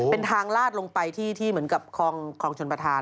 เป็นทางลาดลงไปที่เหมือนกับคลองชนประธาน